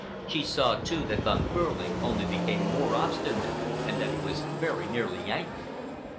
She saw, too, that Von Behrling only became more obstinate and that he was very nearly angry.